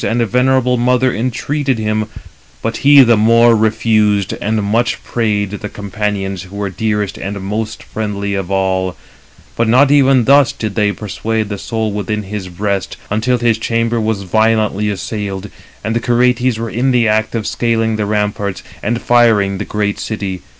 And much also his sisters and venerable mother entreated him, but he the more refused; and much [prayed] the companions who were dearest and most friendly of all; but not even thus did they persuade the soul within his breast, until his chamber was violently assailed, and the Curetes were in the act of scaling the ramparts, and firing the great city.